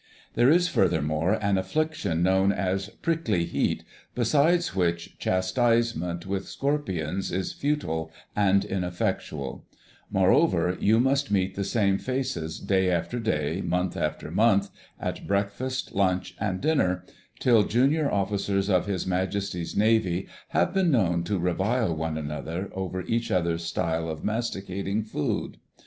There is, furthermore, an Affliction known as "prickly heat," beside which chastisement with scorpions is futile and ineffectual; moreover, you must meet the same faces day after day, month after month, at breakfast, lunch, and dinner, till Junior Officers of His Majesty's Navy have been known to revile one another over each other's style of masticating food.